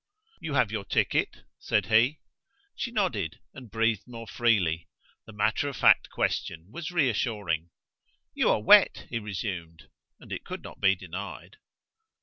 "You have your ticket?" said he. She nodded, and breathed more freely; the matter of fact question was reassuring. "You are wet," he resumed; and it could not be denied.